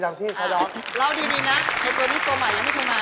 ตัวนี้ตัวใหม่ยังไม่เคยมา